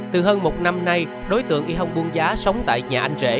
từ hơn một năm nay đối tượng y thông buôn giá sống tại nhà anh rể